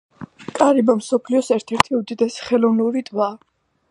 კარიბა მსოფლიოს ერთ-ერთი უდიდესი ხელოვნური ტბაა.